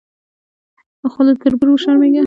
خو له تربور شرمېږي.